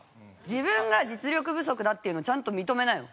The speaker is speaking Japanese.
自分が実力不足だっていうのをちゃんと認めなよ。